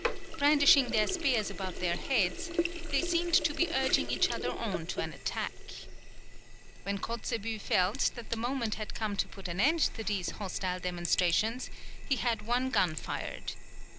Brandishing their spears above their heads, they seemed to be urging each other on to an attack. When Kotzebue felt that the moment had come to put an end to these hostile demonstrations, he had one gun fired.